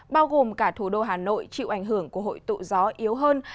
bao gồm cả thủ đô hà nội chịu ảnh hưởng của hội tụ gió yếu hơn